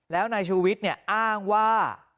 แล้วในชูวิทย์เนี่ยอ้างว่า